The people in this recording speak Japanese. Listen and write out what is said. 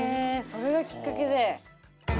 それがきっかけで。